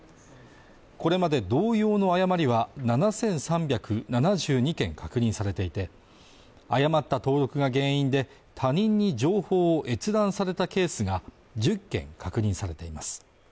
これまで同様の誤りは７３７２件確認されていて誤った登録が原因で他人に情報を閲覧されたケースが１０件確認されています